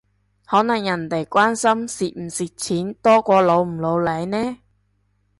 可能人哋關心蝕唔蝕錢多過老唔老嚟呢？